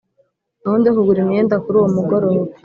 gahunda yo kugura imyenda kuruwo mugoroba